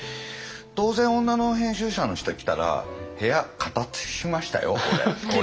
当然女の編集者の人来たら部屋片づけしましたよ俺。